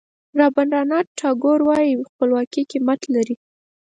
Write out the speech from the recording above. رابندراناټ ټاګور وایي خپلواکي قیمت لري.